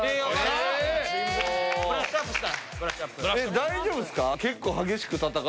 大丈夫ですか？